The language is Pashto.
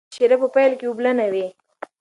شیره په پیل کې اوبلنه وي.